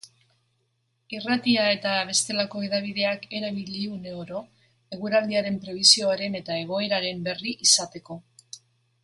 Irratia eta bestelako hedabideak erabili une oro eguraldiaren prebisioaren eta egoeraren berri izateko.